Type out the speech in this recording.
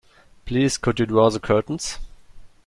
Please could you draw the curtains?